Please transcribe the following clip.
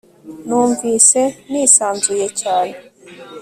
numvise nisanzuye cyane